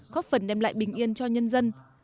góp phần đem lại bình yên cho nhân dân